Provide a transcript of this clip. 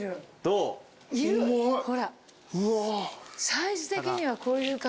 サイズ的にはこういう感じじゃない？